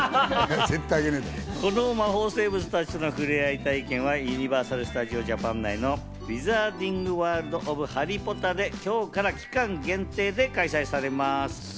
この魔法生物たちとの触れ合い体験はユニバーサル・スタジオ・ジャパン内のウィザーディング・ワールド・オブ・ハリー・ポッターで今日から期間限定で開催されます。